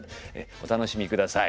お楽しみください。